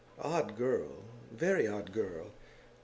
Odd girl; very odd girl!